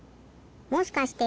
もしかして。